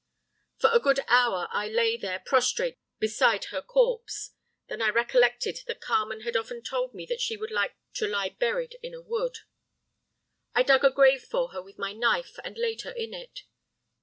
"For a good hour I lay there prostrate beside her corpse. Then I recollected that Carmen had often told me that she would like to lie buried in a wood. I dug a grave for her with my knife and laid her in it.